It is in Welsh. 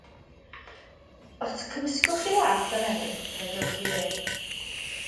Os cymysgwch chi las a melyn fe gewch chi wyrdd.